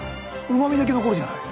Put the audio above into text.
うまみだけ残るじゃない。